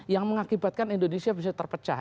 yang mengakibatkan indonesia bisa terpecah